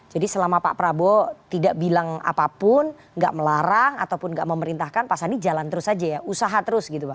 jadi selama pak prabowo tidak bilang apapun gak melarang ataupun gak memerintahkan pak sani jalan terus aja ya usaha terus gitu pak